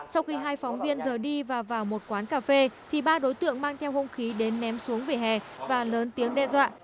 sau khi hai phóng viên giờ đi và vào một quán cà phê thì ba đối tượng mang theo hung khí đến ném xuống vỉa hè và lớn tiếng đe dọa